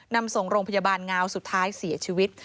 นำส่งโรงพยาบาลงาวสุดท้ายเสียชีวิต